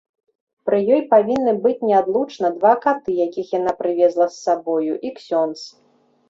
Пры ёй павінны быць неадлучна два каты, якіх яна прывезла з сабою, і ксёндз.